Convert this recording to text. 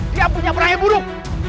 dia punya berangnya buruk